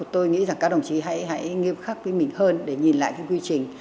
tôi nghĩ rằng các đồng chí hãy nghiêm khắc với mình hơn để nhìn lại cái quy trình